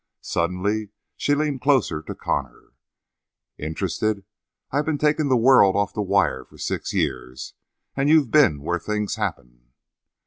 Suddenly she leaned closer to Connor. "Interested? I've been taking the world off the wire for six years and you've been where things happen."